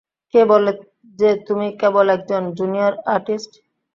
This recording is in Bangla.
কে বলে যে তুমি কেবল একজন জুনিয়র আর্টিস্ট?